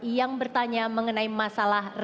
yang bertanya mengenai masalah